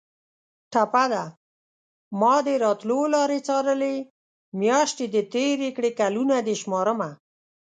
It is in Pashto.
ټپه ده: مادې راتلو لارې څارلې میاشتې دې تېرې کړې کلونه دې شمارمه